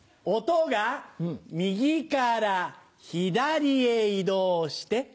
「音」が右から左へ移動して。